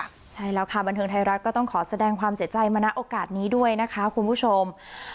ใช่แล้วค่ะบันเทิงไทยรัฐก็ต้องขอแสดงความเสียใจมาณโอกาสนี้ด้วยนะคะคุณผู้ชม